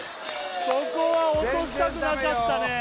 ここは落としたくなかったね